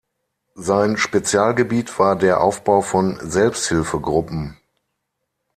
Sein Spezialgebiet war der Aufbau von Selbsthilfegruppen.